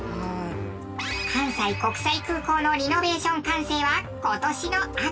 関西国際空港のリノベーション完成は今年の秋。